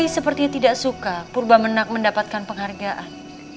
rai sepertinya tidak suka purba menang mendapatkan penghargaan